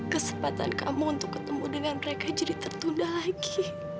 kesempatan kamu untuk ketemu dengan mereka jadi tertunda lagi